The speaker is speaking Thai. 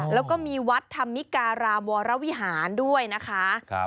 แล้วก็มีวัดธรรมิการามวรวิหารด้วยนะคะ